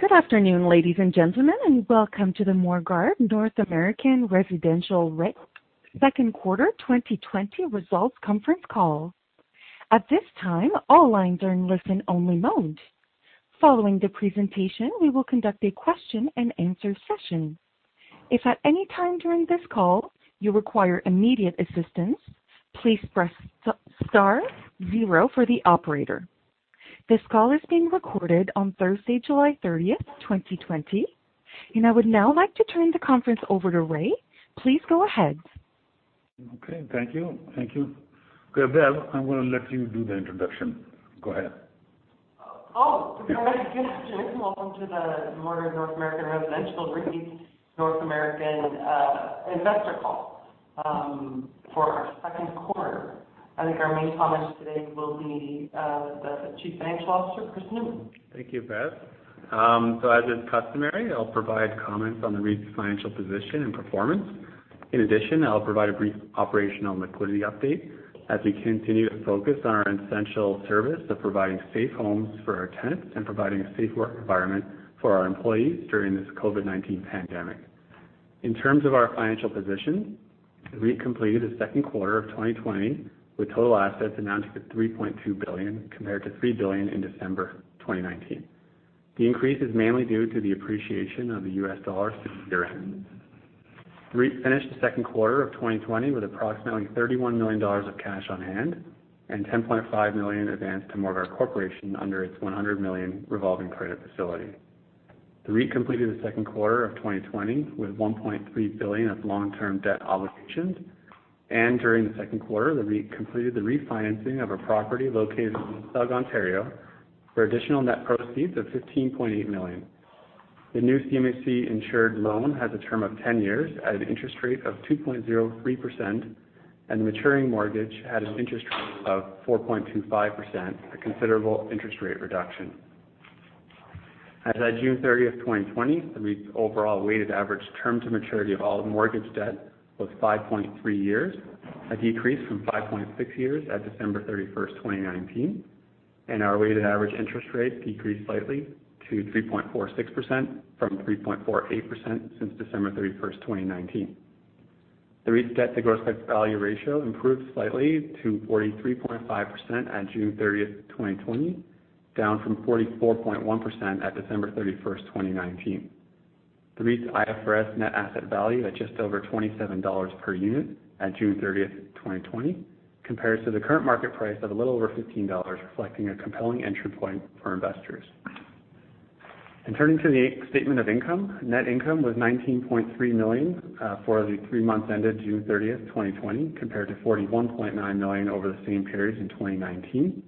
Good afternoon, ladies and gentlemen, and welcome to the Morguard North American Residential REIT second quarter 2020 results conference call. At this time, all lines are in listen-only mode. Following the presentation, we will conduct a question and answer session. If at any time during this call you require immediate assistance, please press star zero for the operator. This call is being recorded on Thursday, July 30th, 2020, and I would now like to turn the conference over to Rai. Please go ahead. Okay. Thank you. Thank you. Beth, I'm going to let you do the introduction. Go ahead. Good afternoon, welcome to the Morguard North American Residential REIT North American investor call for our second quarter. I think our main comments today will be the Chief Financial Officer, Christopher Newman. Thank you, Beth. As is customary, I'll provide comments on the REIT's financial position and performance. In addition, I'll provide a brief operational liquidity update as we continue to focus on our essential service of providing safe homes for our tenants and providing a safe work environment for our employees during this COVID-19 pandemic. In terms of our financial position, the REIT completed the second quarter of 2020 with total assets amounting to 3.2 billion, compared to 3 billion in December 2019. The increase is mainly due to the appreciation of the US dollar since year-end. REIT finished the second quarter of 2020 with approximately 31 million dollars of cash on hand and 10.5 million advanced to Morguard Corporation under its 100 million revolving credit facility. The REIT completed the second quarter of 2020 with 1.3 billion of long-term debt obligations. During the second quarter, the REIT completed the refinancing of a property located in Mississauga, Ontario, for additional net proceeds of 15.8 million. The new CMHC-insured loan has a term of 10 years at an interest rate of 2.03%. The maturing mortgage had an interest rate of 4.25%, a considerable interest rate reduction. As at June 30th, 2020, the REIT's overall weighted average term to maturity of all mortgage debt was 5.3 years, a decrease from 5.6 years at December 31st, 2019. Our weighted average interest rate decreased slightly to 3.46% from 3.48% since December 31st, 2019. The REIT's debt to gross value ratio improved slightly to 43.5% at June 30th, 2020, down from 44.1% at December 31st, 2019. The REIT's IFRS net asset value at just over 27 dollars per unit at June 30, 2020, compares to the current market price of a little over 15 dollars, reflecting a compelling entry point for investors. Turning to the statement of income, net income was 19.3 million for the three months ended June 30, 2020, compared to 41.9 million over the same period in 2019.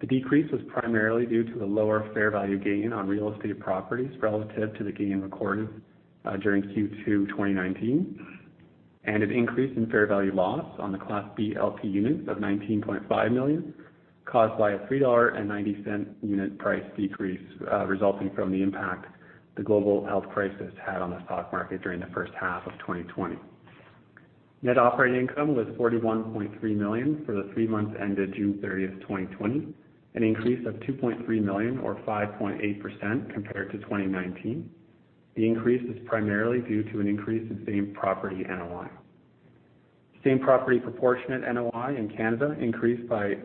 The decrease was primarily due to the lower fair value gain on real estate properties relative to the gain recorded during Q2 2019, and an increase in fair value loss on the Class B LP units of 19.5 million, caused by a 3.90 dollar unit price decrease resulting from the impact the global health crisis had on the stock market during the first half of 2020. Net operating income was 41.3 million for the three months ended June 30, 2020, an increase of 2.3 million or 5.8% compared to 2019. The increase is primarily due to an increase in same-property NOI. Same-property proportionate NOI in Canada increased by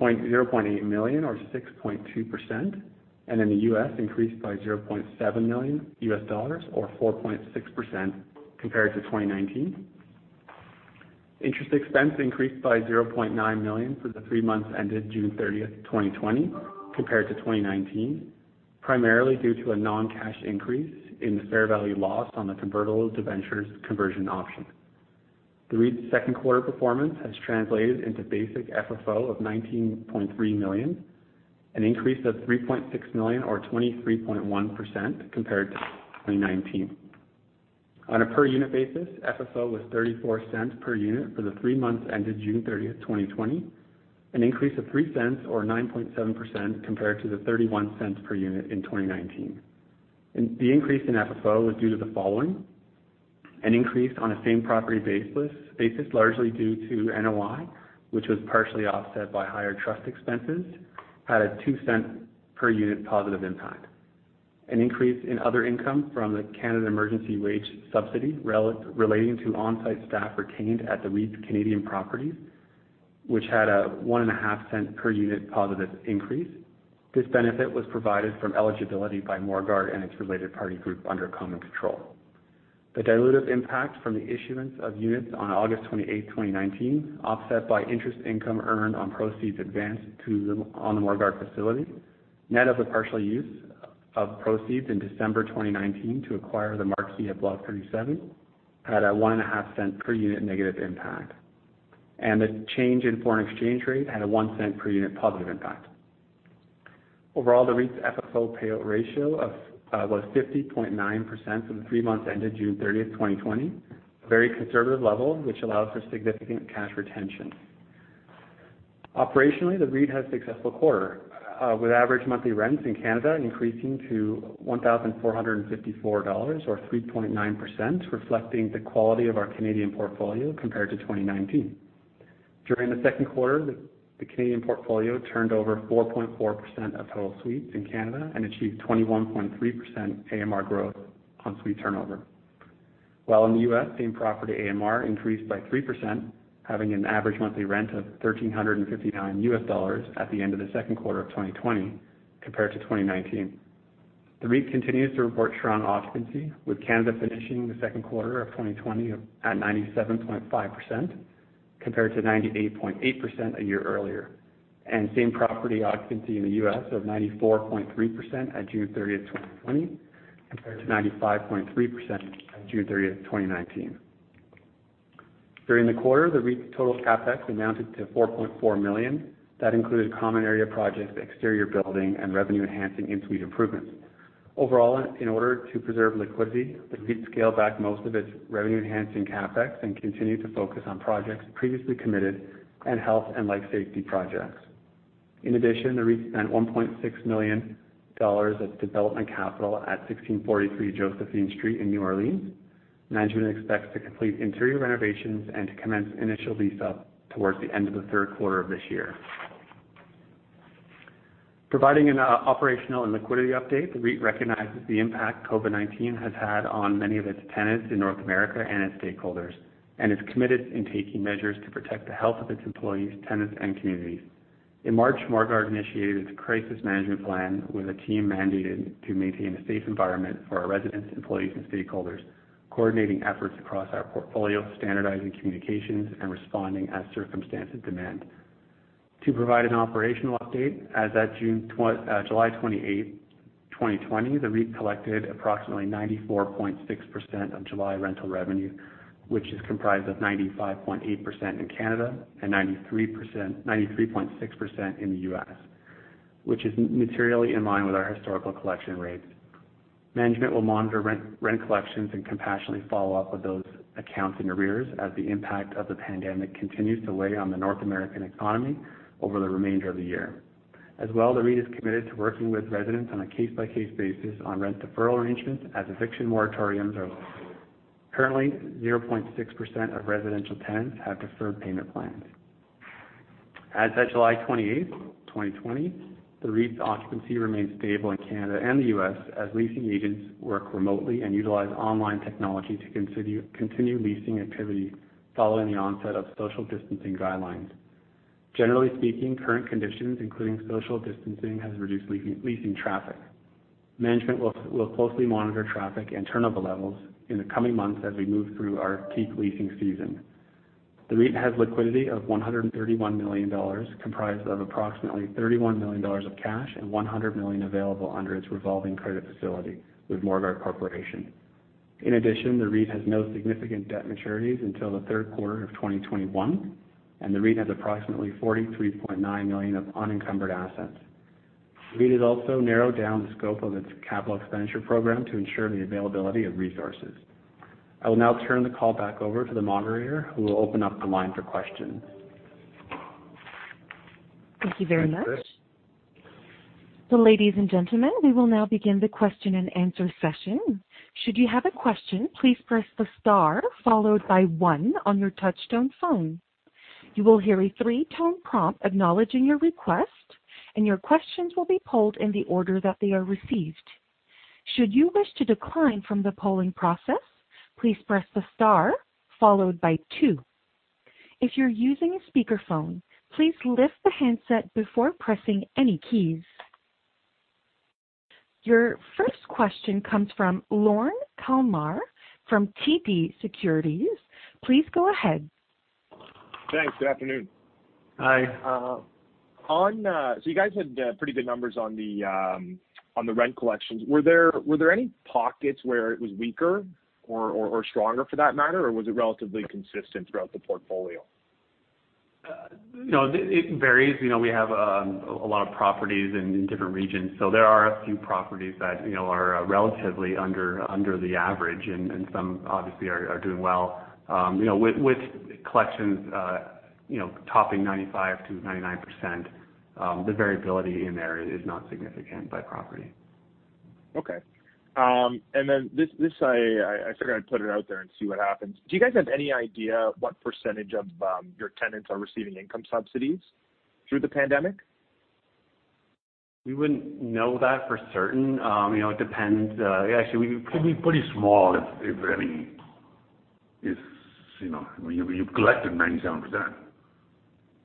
0.8 million or 6.2%, and in the U.S. increased by $0.7 million USD or 4.6% compared to 2019. Interest expense increased by 0.9 million for the three months ended June 30, 2020 compared to 2019, primarily due to a non-cash increase in the fair value loss on the convertible debentures conversion option. The REIT's second quarter performance has translated into basic FFO of 19.3 million, an increase of 3.6 million or 23.1% compared to 2019. On a per unit basis, FFO was 0.34 per unit for the three months ended June 30th, 2020, an increase of 0.03 or 9.7% compared to the 0.31 per unit in 2019. The increase in FFO was due to the following. An increase on a same-property basis largely due to NOI, which was partially offset by higher trust expenses, had a 0.02 per unit positive impact. An increase in other income from the Canada Emergency Wage Subsidy relating to on-site staff retained at the REIT's Canadian properties, which had a 0.015 per unit positive increase. This benefit was provided from eligibility by Morguard and its related party group under common control. The dilutive impact from the issuance of units on August 28th, 2019, offset by interest income earned on proceeds advanced on the Morguard facility, net of a partial use of proceeds in December 2019 to acquire the Marquee at Block 37, had a 0.015 per unit negative impact. The change in foreign exchange rate had a 0.01 per unit positive impact. Overall, the REIT's FFO payout ratio was 50.9% for the three months ended June 30th, 2020, a very conservative level, which allows for significant cash retention. Operationally, the REIT had a successful quarter with average monthly rents in Canada increasing to 1,454 dollars or 3.9%, reflecting the quality of our Canadian portfolio compared to 2019. During the second quarter, the Canadian portfolio turned over 4.4% of total suites in Canada and achieved 21.3% AMR growth on suite turnover, while in the U.S., same property AMR increased by 3%, having an average monthly rent of $1,359 at the end of the second quarter of 2020 compared to 2019. The REIT continues to report strong occupancy with Canada finishing the second quarter of 2020 at 97.5% compared to 98.8% a year earlier, and same property occupancy in the U.S. of 94.3% at June 30th, 2020, compared to 95.3% at June 30th, 2019. During the quarter, the REIT's total CapEx amounted to 4.4 million. That included common area projects, exterior building, and revenue-enhancing in-suite improvements. Overall, in order to preserve liquidity, the REIT scaled back most of its revenue-enhancing CapEx and continued to focus on projects previously committed and health and life safety projects. In addition, the REIT spent 1.6 million dollars as development capital at 1643 Josephine Street in New Orleans. Management expects to complete interior renovations and to commence initial lease-up towards the end of the third quarter of this year. Providing an operational and liquidity update, the REIT recognizes the impact COVID-19 has had on many of its tenants in North America and its stakeholders, and is committed in taking measures to protect the health of its employees, tenants, and communities. In March, Morguard initiated its crisis management plan with a team mandated to maintain a safe environment for our residents, employees, and stakeholders, coordinating efforts across our portfolio, standardizing communications, and responding as circumstances demand. To provide an operational update, as at July 28th, 2020, the REIT collected approximately 94.6% of July rental revenue, which is comprised of 95.8% in Canada and 93.6% in the U.S., which is materially in line with our historical collection rates. Management will monitor rent collections and compassionately follow up with those accounts in arrears as the impact of the pandemic continues to weigh on the North American economy over the remainder of the year. As well, the REIT is committed to working with residents on a case-by-case basis on rent deferral arrangements as eviction moratoriums are lifted. Currently, 0.6% of residential tenants have deferred payment plans. As at July 28th, 2020, the REIT's occupancy remains stable in Canada and the U.S. as leasing agents work remotely and utilize online technology to continue leasing activity following the onset of social distancing guidelines. Generally speaking, current conditions, including social distancing, has reduced leasing traffic. Management will closely monitor traffic and turnover levels in the coming months as we move through our peak leasing season. The REIT has liquidity of 131 million dollars, comprised of approximately 31 million dollars of cash and 100 million available under its revolving credit facility with Morguard Corporation. In addition, the REIT has no significant debt maturities until the third quarter of 2021, and the REIT has approximately 43.9 million of unencumbered assets. REIT has also narrowed down the scope of its capital expenditure program to ensure the availability of resources. I will now turn the call back over to the moderator, who will open up the line for questions. Thank you very much. Thanks, Chris. Ladies and gentlemen, we will now begin the question and answer session. Should you have a question, please press the star followed by one on your touchtone phone. You will hear a three-tone prompt acknowledging your request, and your questions will be polled in the order that they are received. Should you wish to decline from the polling process, please press the star followed by two. If you're using a speakerphone, please lift the handset before pressing any keys. Your first question comes from Lorne Kalmar from TD Securities. Please go ahead. Thanks. Good afternoon. Hi. You guys had pretty good numbers on the rent collections. Were there any pockets where it was weaker or stronger for that matter? Or was it relatively consistent throughout the portfolio? No, it varies. We have a lot of properties in different regions. There are a few properties that are relatively under the average, and some obviously are doing well. With collections topping 95% to 99%, the variability in there is not significant by property. Okay. I figured I'd put it out there and see what happens. Do you guys have any idea what % of your tenants are receiving income subsidies through the pandemic? We wouldn't know that for certain. It depends. Actually. It'd be pretty small if, I mean, you've collected 97%.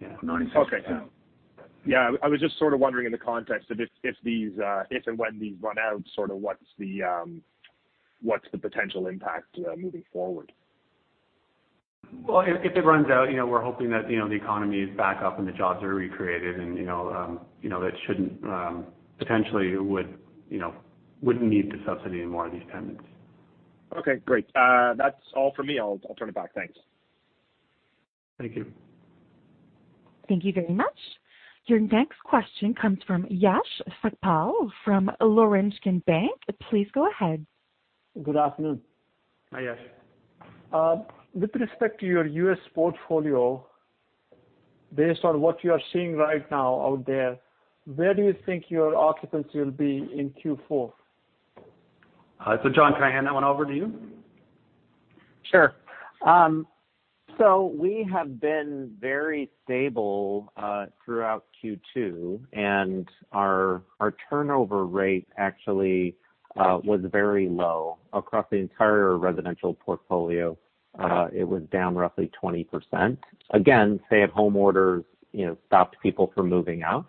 Yeah. 96%. Okay. Yeah, I was just sort of wondering in the context of if and when these run out, sort of what's the potential impact moving forward? Well, if it runs out, we're hoping that the economy is back up and the jobs are recreated, and potentially wouldn't need to subsidize more of these tenants. Okay, great. That's all for me. I'll turn it back. Thanks. Thank you. Thank you very much. Your next question comes from Yash Sakpal from Laurentian Bank. Please go ahead. Good afternoon. Hi, Yash. With respect to your U.S. portfolio, based on what you are seeing right now out there, where do you think your occupancy will be in Q4? John, can I hand that one over to you? Sure. We have been very stable throughout Q2, and our turnover rate actually was very low across the entire residential portfolio. It was down roughly 20%. Stay-at-home orders stopped people from moving out.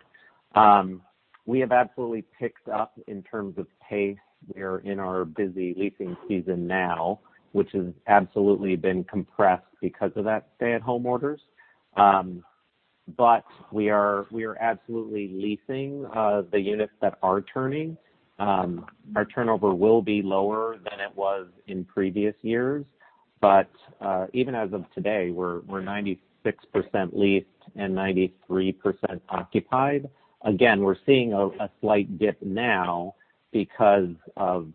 We have absolutely picked up in terms of pace. We are in our busy leasing season now, which has absolutely been compressed because of that stay-at-home orders. We are absolutely leasing the units that are turning. Our turnover will be lower than it was in previous years. Even as of today, we're 96% leased and 93% occupied. We're seeing a slight dip now because of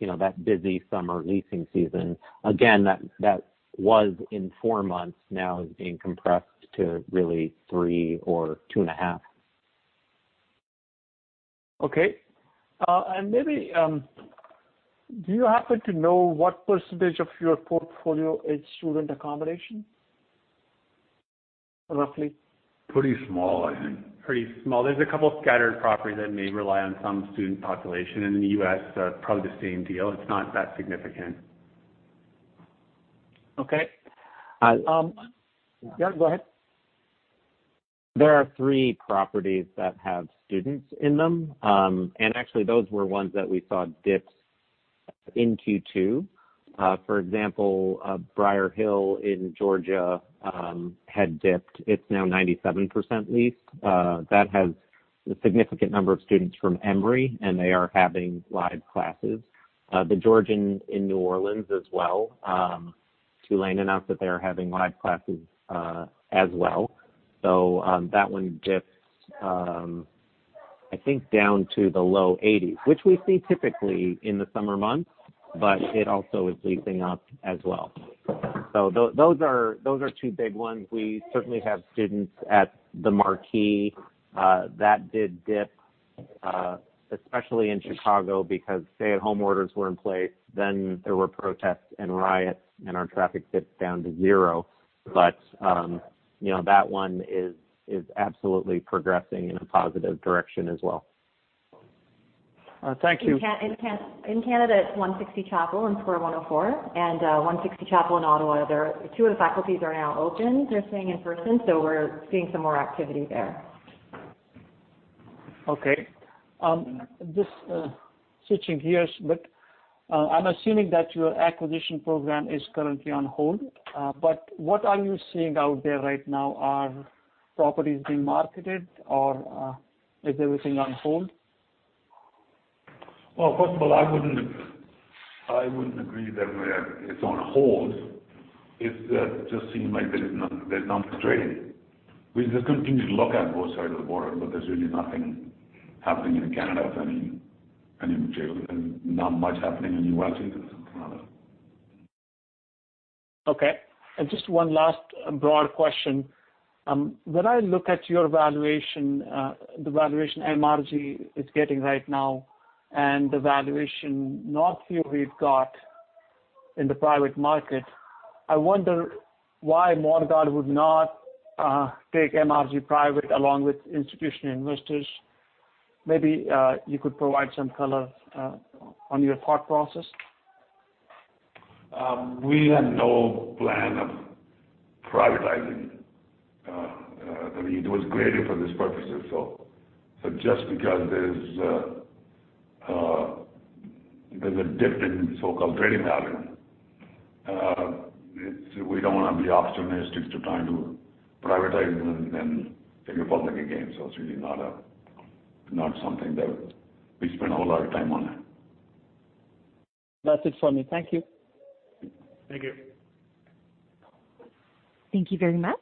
that busy summer leasing season. That was in four months now is being compressed to really three or two and a half. Okay. Maybe, do you happen to know what percentage of your portfolio is student accommodation, roughly? Pretty small, I think. Pretty small. There's a couple scattered properties that may rely on some student population. In the U.S., probably the same deal. It's not that significant. Okay. Yeah, go ahead. There are three properties that have students in them. Actually, those were ones that we saw dip in Q2. For example, Briarhill in Georgia had dipped. It is now 97% leased. That has a significant number of students from Emory, and they are having live classes. The Georgian in New Orleans as well, Tulane announced that they are having live classes as well. That one dipped, I think, down to the low eighties, which we see typically in the summer months, but it also is leasing up as well. Those are two big ones. We certainly have students at the Marquee. That did dip, especially in Chicago, because stay-at-home orders were in place. There were protests and riots, and our traffic dipped down to zero. That one is absolutely progressing in a positive direction as well. Thank you. In Canada, it's 160 Chapel and Square 104. 160 Chapel in Ottawa. Two of the faculties are now open. They're staying in person, so we're seeing some more activity there. Okay. Just switching gears, I'm assuming that your acquisition program is currently on hold. What are you seeing out there right now? Are properties being marketed, or is everything on hold? Well, first of all, I wouldn't agree that it's on hold. It just seems like there's none to trade. We just continue to look at both sides of the border. There's really nothing happening in Canada and not much happening in the U.S. either than Canada. Okay. Just one last broad question. When I look at your valuation, the valuation MRG is getting right now, and the valuation Northview REIT got in the private market, I wonder why Morguard would not take MRG private along with institutional investors. Maybe you could provide some color on your thought process. We have no plan of privatizing. I mean, it was created for this purpose. Just because there's a dip in so-called trading value, we don't want to be opportunistic to try to privatize and then take it public again. It's really not something that we spend a whole lot of time on. That's it for me. Thank you. Thank you. Thank you very much.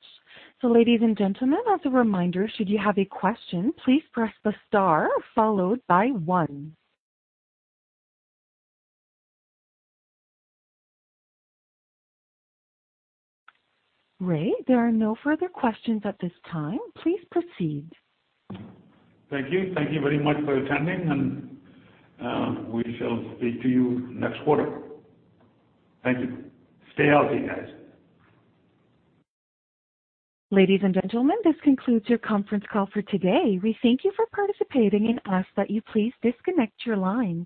Ladies and gentlemen, as a reminder, should you have a question, please press the star followed by one. Rai, there are no further questions at this time. Please proceed. Thank you. Thank you very much for attending. We shall speak to you next quarter. Thank you. Stay healthy, guys. Ladies and gentlemen, this concludes your conference call for today. We thank you for participating and ask that you please disconnect your lines.